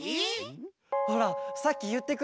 ほらさっきいってくれたでしょ？